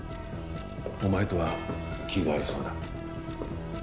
お前とは気が合いそうだ。